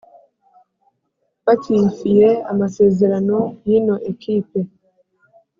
bakiyifiye amasezerano y'ino ekipe